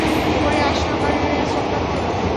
পরে আশরাফ আর রিয়াজ যোগদান করলো।